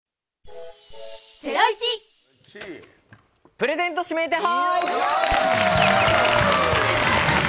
プレゼント指名手配。